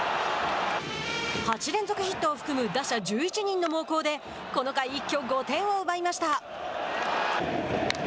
８連続ヒットを含む打者１１人の猛攻でこの回一挙５点を奪いました。